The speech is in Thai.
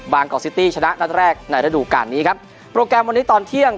กอกซิตี้ชนะนัดแรกในระดูการนี้ครับโปรแกรมวันนี้ตอนเที่ยง